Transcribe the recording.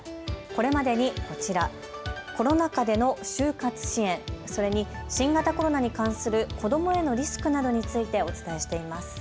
これまでにこちら、コロナ禍での終活支援、それに新型コロナに関する子どもへのリスクなどについてお伝えしています。